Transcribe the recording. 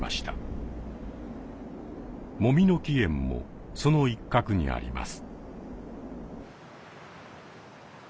もみの木苑もその一角にあります。